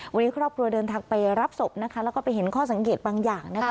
วันนี้ครอบครัวเดินทางไปรับศพนะคะแล้วก็ไปเห็นข้อสังเกตบางอย่างนะคะ